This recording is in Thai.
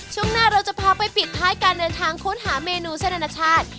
ช่วงหน้าเราจะพาไปปิดท้ายการเดินทางค้นหาเมนูเส้นอนาชาติ